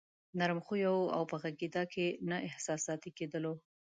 نرم خويه وو او په غږېدا کې نه احساساتي کېدلو.